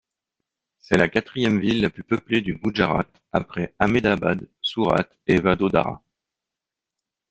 C'est la quatrième ville la plus peuplée du Gujarat après Ahmedabad, Surate et Vadodara.